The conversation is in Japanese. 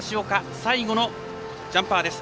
最後のジャンパーです。